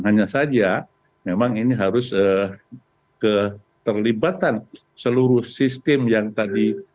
hanya saja memang ini harus keterlibatan seluruh sistem yang tadi